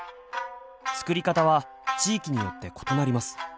作り方は地域によって異なります。